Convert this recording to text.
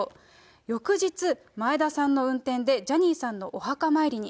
翌日、前田さんの運転で、ジャニーさんのお墓参りに。